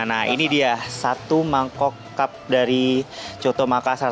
nah ini dia satu mangkok cup dari choto makassar